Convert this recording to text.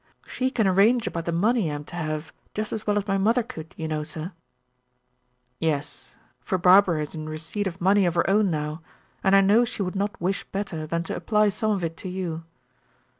"She can arrange about the money I am to have, just as well as my mother could you know, sir." "Yes; for Barbara is in receipt of money of her own now, and I know she would not wish better than to apply some of it to you.